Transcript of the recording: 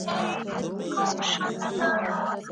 کار د انرژي مصرف دی.